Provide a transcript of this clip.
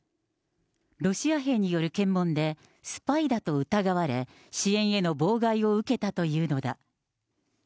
ロシア兵による検問で、スパイだと疑われ、支援への妨害を受けたというのだ。